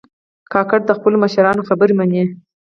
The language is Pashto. کاکړ د خپلو مشرانو خبرې منې.